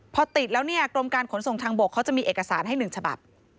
พอติดแล้วเนี่ยกรมการขนส่งทางบกเขาจะมีเอกสารให้๑ฉบับ